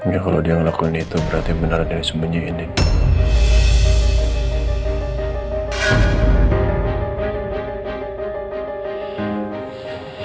ya kalau dia ngelakuin itu berarti benar dennis sembunyiin dia